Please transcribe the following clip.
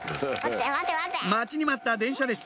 待ちに待った電車です